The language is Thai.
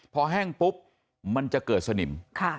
พอแห้งปุ๊บมันจะเกิดสนิม